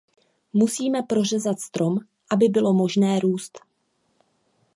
Musíme prořezat strom, aby bylo možné růst.